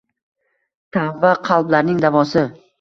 Tavba – qalblarning davosi